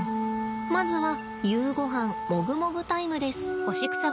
まずは夕ごはんもぐもぐタイムです。